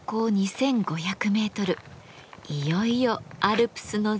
いよいよアルプスの絶景が。